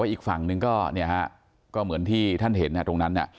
อีกฝั่งหนึ่งก็เหมือนที่ท่านเห็นตรงนั้น